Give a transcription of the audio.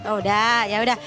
udah ya udah